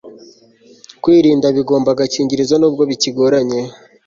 kwirinda bigomba agakingirizo n'ubwo bikigoranye